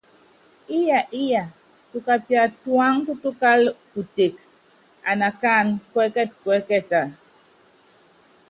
Íya íya, tukapia tuáŋá tútukála kuteke anakánɛ́ kuɛ́kɛtɛ kuɛ́kɛta?